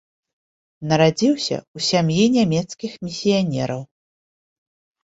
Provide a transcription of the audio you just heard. Нарадзіўся ў сям'і нямецкіх місіянераў.